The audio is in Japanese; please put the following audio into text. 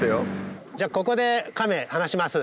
じゃあここでカメ放します。